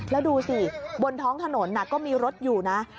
แล้วดูสิบนท้องถนนก็มีรถอยู่นะ